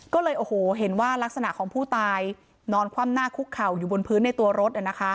ก็เลยโอ้โหเห็นว่ารักษณะของผู้ตายนอนคว่ำหน้าคุกเข่าอยู่บนพื้นในตัวรถ